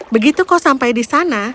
begitu kok sampai di sana